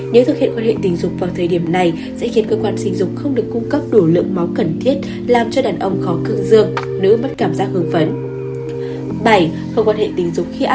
nếu thực hiện quan hệ tình dục vào thời điểm này sẽ khiến cơ quan sinh dục không được cung cấp đủ lượng máu cần thiết làm cho đàn ông khó cường dựng nữ mất cảm giác hương phấn